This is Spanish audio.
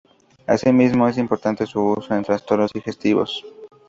Asimismo, es importante su uso en trastornos digestivos.